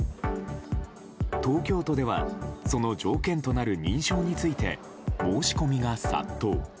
東京都ではその条件となる認証について申し込みが殺到。